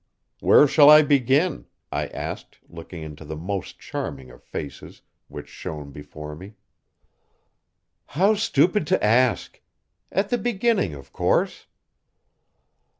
"Where shall I begin?" I asked, looking into the most charming of faces, which shone before me. "How stupid to ask! At the beginning, of course."